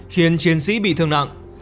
khiến chiến sĩ bị thương nặng